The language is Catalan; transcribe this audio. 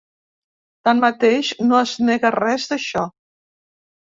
Tanmateix, no es nega res d’això.